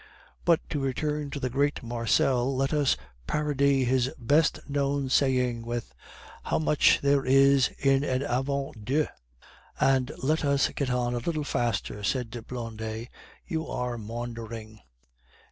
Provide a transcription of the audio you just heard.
But to return to the great Marcel, let us parody his best known saying with, 'How much there is in an avant deux.'" "And let us get on a little faster," said Blondet; "you are maundering."